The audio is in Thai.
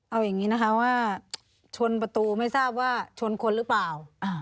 เอาอย่างนี้นะคะว่าชนประตูไม่ทราบว่าชนคนหรือเปล่า